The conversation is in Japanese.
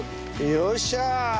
よっしゃ！